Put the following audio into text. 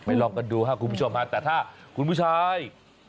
ลองกันดูครับคุณผู้ชมฮะแต่ถ้าคุณผู้ชาย